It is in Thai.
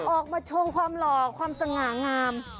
ออกมาชมความหล่อความสง่างาม